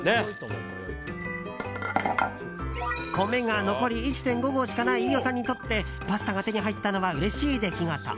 米が残り１．５合しかない飯尾さんにとってパスタが手に入ったのはうれしい出来事。